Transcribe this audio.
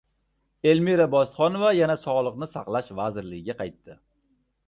Elmira Bositxonova yana Sog‘liqni saqlash vazirligiga qaytdi